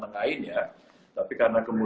terima kasih mckuack remas